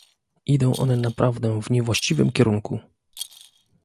Idą one naprawdę w niewłaściwym kierunku